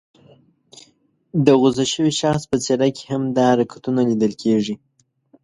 د غوسه شوي شخص په څېره کې هم دا حرکتونه لیدل کېږي.